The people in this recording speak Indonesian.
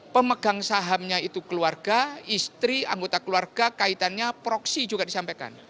pemegang sahamnya itu keluarga istri anggota keluarga kaitannya proksi juga disampaikan